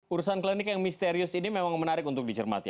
urusan klinik yang misterius ini memang menarik untuk dicermati